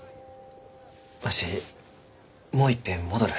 わしもういっぺん戻る。